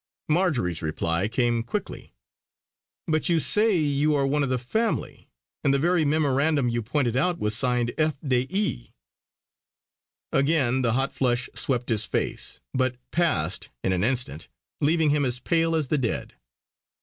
Marjory's reply came quickly: "But you say you are one of the family, and the very memorandum you pointed out was signed F. de E." Again the hot flush swept his face; but passed in an instant, leaving him as pale as the dead.